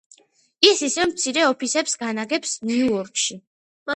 ის ასევე მცირე ოფისებს განაგებს ნიუ-იორკში.